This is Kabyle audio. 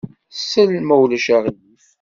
Sel, ma ulac aɣilif.